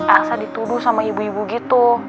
asal dituduh sama ibu ibu gitu